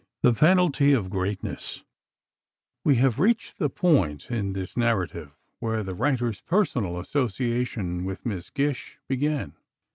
III "THE PENALTY OF GREATNESS" We have reached the point in this narrative where the writer's personal association with Miss Gish began.